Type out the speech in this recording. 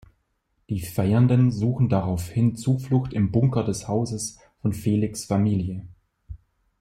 Die Feiernden suchen daraufhin Zuflucht im Bunker des Hauses von Felix' Familie.